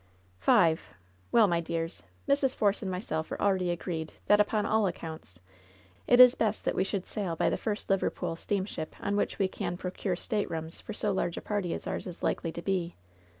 "Five I Well, my dears, Mrs. Force and myself are already agreed that, upon all accounts^ it is best that we should sail by the first Liverpool steamship on which we can procure staterooms for so large a party as ours is likely to be.